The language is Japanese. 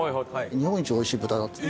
日本一おいしい豚だって。